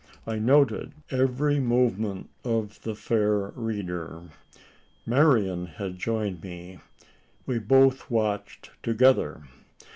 I noted every movement of the fair reader. Marian had joined me. We both watched together.